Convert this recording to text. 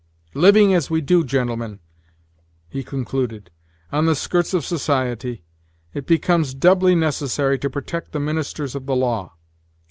"Living as we do, gentlemen," he concluded, "on the skirts of society, it becomes doubly necessary to protect the ministers of the law.